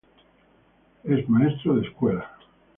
Es maestro de escuela.